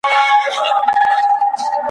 لمره هغه ابلیس چي تا به په ښکرونو کي وړي ,